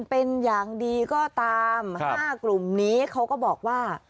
เป็นอย่างดีก็ตาม๕กลุ่มนี้เขาก็บอกว่า